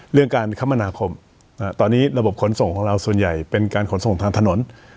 เรื่องการคมนาคมตอนนี้ระบบขนส่งของเราส่วนใหญ่เป็นการขนส่งทางถนน